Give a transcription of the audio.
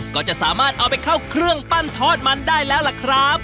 ก็จะสามารถเอาไปเข้าเครื่องปั้นทอดมันได้แล้วล่ะครับ